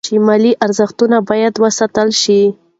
مالي ارزښتونه باید وساتل شي.